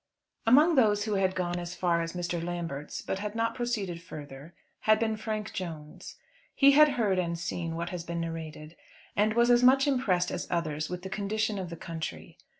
Among those who had gone as far as Mr. Lambert's, but had not proceeded further, had been Frank Jones. He had heard and seen what has been narrated, and was as much impressed as others with the condition of the country.